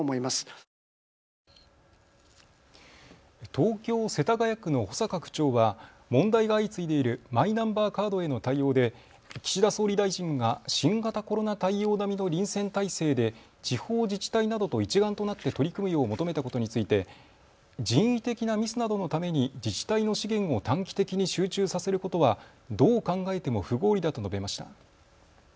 東京世田谷区の保坂区長は問題が相次いでいるマイナンバーカードへの対応で岸田総理大臣が新型コロナ対応並みの臨戦態勢で地方自治体などと一丸となって取り組むよう求めたことについて人為的なミスなどのために自治体の資源を短期的に集中させることはどう考えても不合理だと述べました。